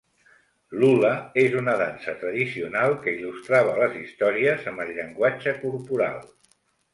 L'hula és una dansa tradicional que il·lustrava les històries amb el llenguatge corporal.